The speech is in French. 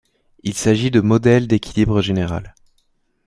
Il s'agit de modèles d’équilibre général.